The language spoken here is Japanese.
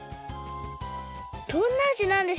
どんなあじなんでしょうか？